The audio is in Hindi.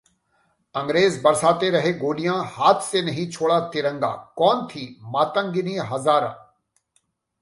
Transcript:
अंग्रेज बरसाते रहे गोलियां, हाथ से नहीं छोड़ा तिरंगा, कौन थीं मातंगिनी हजारा